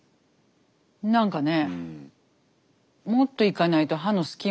何かね。